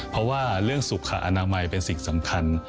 เพราะว่าเรื่องสุขอนามัยเป็นสิ่งสำคัญ